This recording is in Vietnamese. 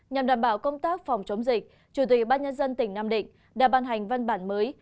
nhằm đảm bảo công tác phòng chống dịch chủ tịch ban nhân dân tỉnh nam định đã ban hành văn bản mới